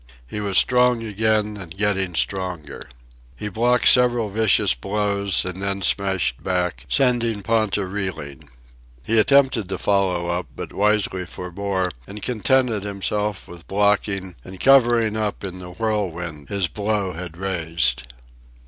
He was strong again, and getting stronger. He blocked several vicious blows and then smashed back, sending Ponta reeling. He attempted to follow up, but wisely forbore and contented himself with blocking and covering up in the whirlwind his blow had raised.